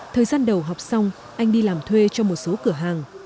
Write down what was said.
thời gian đầu học xong anh đi làm thuê cho một số cửa hàng